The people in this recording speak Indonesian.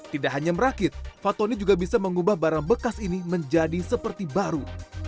tidak hanya merakit fatoni juga bisa mengubah barang bekas ini menjadi seperti baru